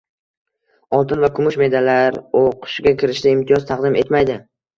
Oltin va kumush medallar oʻqishga kirishda imtiyoz taqdim etmaydi!